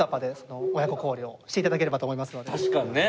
確かにね。